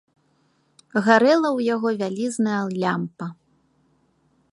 Гарэла ў яго вялізная лямпа.